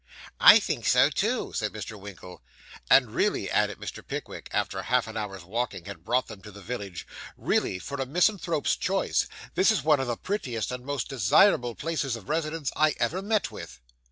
'I think so too,' said Mr. Winkle. 'And really,' added Mr. Pickwick, after half an hour's walking had brought them to the village, 'really, for a misanthrope's choice, this is one of the prettiest and most desirable places of residence I ever met with.